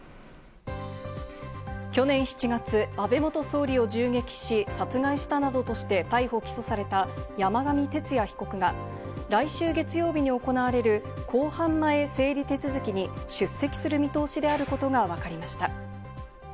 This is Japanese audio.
去年７月、安倍元総理を銃撃し、殺害したなどとして逮捕・起訴された山上徹也被告が来週月曜日に行われる公判前整理手続きに出席する見通しであることがわかりました。